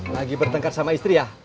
lagi bertengkar sama istri ya